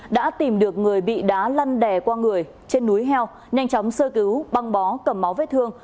đã tìm được người bị đá lăn đè qua người trên núi heo nhanh chóng sơ cứu băng bó cầm máu vết thương